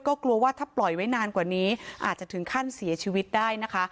ก็กลัวว่าถ้าปล่อยไว้นานกว่านี้อาจจะถึงขั้นเสียชีวิตได้นะคะ